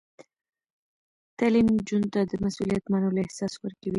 تعلیم نجونو ته د مسؤلیت منلو احساس ورکوي.